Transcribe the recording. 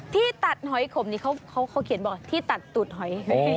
ที่ตัดหอยขมนี้เขาเขียนบอกที่ตัดตูดหอย